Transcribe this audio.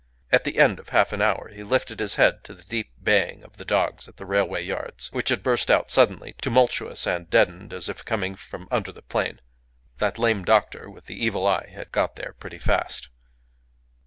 At the end of half an hour he lifted his head to the deep baying of the dogs at the railway yards, which had burst out suddenly, tumultuous and deadened as if coming from under the plain. That lame doctor with the evil eye had got there pretty fast.